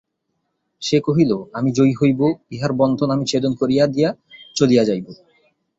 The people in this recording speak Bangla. সে কহিল, আমি জয়ী হইব–ইহার বন্ধন আমি ছেদন করিয়া দিয়া চলিয়া যাইব।